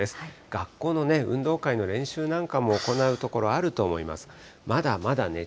学校のね、運動会の練習なんかも行う所あると思います。